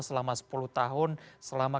selama sepuluh tahun selama